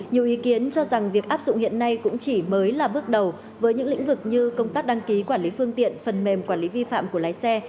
nhiều ý kiến cho rằng việc áp dụng hiện nay cũng chỉ mới là bước đầu với những lĩnh vực như công tác đăng ký quản lý phương tiện phần mềm quản lý vi phạm của lái xe